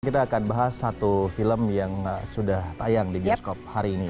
kita akan bahas satu film yang sudah tayang di bioskop hari ini